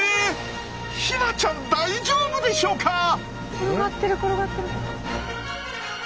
⁉転がってる転がってる。